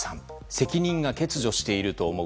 責任感が欠如していると思う。